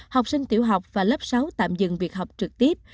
học sinh tiểu học và lớp sáu tạm dừng việc học trực tiếp